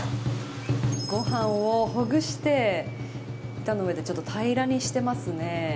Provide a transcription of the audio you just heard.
ご飯をほぐして、板の上で平らにしていますね。